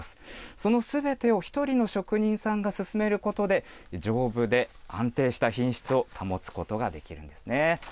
そのすべてを１人の職人さんが進めることで、丈夫で安定した品質を保つことができるんですね。